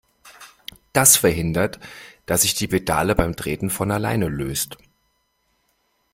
Das verhindert, dass sich die Pedale beim Treten von alleine löst.